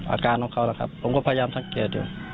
อาการของเขาแหละครับผมก็พยายามสังเกตอยู่